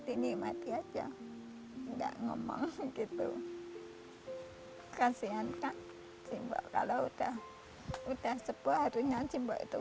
dinikmati aja enggak ngomong gitu kasihan kak simbok kalau udah udah sebuah harinya simbok itu